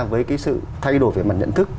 với cái sự thay đổi về mặt nhận thức